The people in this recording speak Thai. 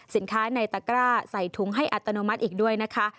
สินค้าในตะกร้าใส่ถุงให้อัตโนมัติอีกด้วยนะคะ